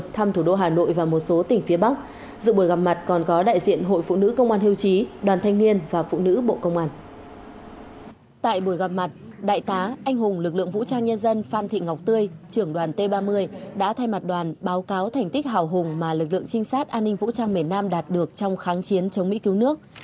tại buổi gặp mặt đại tá anh hùng lực lượng vũ trang nhân dân phan thị ngọc tươi trưởng đoàn t ba mươi đã thay mặt đoàn báo cáo thành tích hào hùng mà lực lượng trinh sát an ninh vũ trang miền nam đạt được trong kháng chiến chống mỹ cứu nước